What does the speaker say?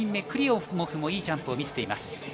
クリモフもいいジャンプを見せています。